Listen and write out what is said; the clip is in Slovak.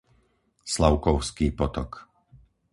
Slavkovský potok